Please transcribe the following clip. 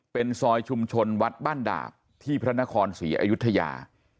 เป็นซอยชุมชนวัดบ้านดาบที่พระนครศรีอยุธยา